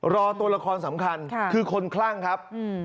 รอตัวละครสำคัญคือคนคลั่งครับ